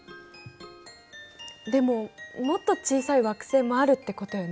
でももっと小さい惑星もあるってことよね？